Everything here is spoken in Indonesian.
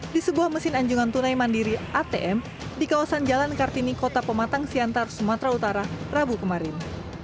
di sebuah mesin anjungan tunai mandiri atm di kawasan jalan kartini kota pematang siantar sumatera utara rabu kemarin